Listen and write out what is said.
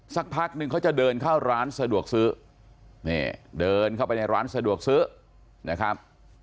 สักพักนึงเขาจะเดินเข้าร้านสะดวกซื้อนี่เดินเข้าไปในร้านสะดวกซื้อนะครับ